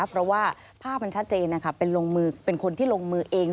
เพราะว่าภาพมันชัดเจนเป็นลงมือเป็นคนที่ลงมือเอง